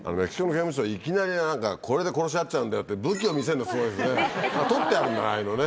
刑務所いきなり「これで殺し合っちゃうんだよ」って武器を見せんのすごいですね取ってあるんだねああいうのね。